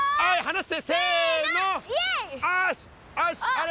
あれ？